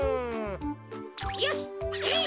よしえい！